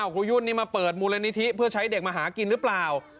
ครูยุ่นนี่มาเปิดมูลนิธิเพื่อใช้เด็กมาหากินหรือเปล่า